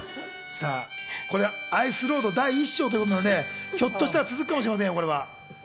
『アイス・ロード第１章』ということで、ひょっとしたら続くかもしれませんよ。